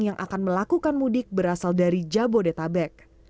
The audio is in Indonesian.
yang akan melakukan mudik berasal dari jabodetabek